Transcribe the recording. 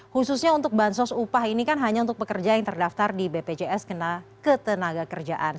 khususnya untuk bansos upah ini kan hanya untuk pekerja yang terdaftar di bpjs ketenaga kerjaan